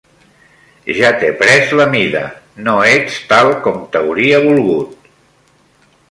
Ja t'he pres la mida, no ets tal com t'hauria volgut